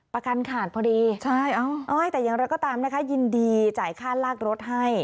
ประกันขาดพอดีใช่แต่อย่างไรก็ตามนะคะยินดีจ่ายค่าลากรถให้